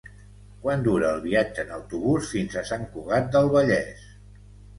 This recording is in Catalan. Quant dura el viatge en autobús fins a Sant Cugat del Vallès?